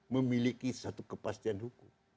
memiliki satu kepastian hukum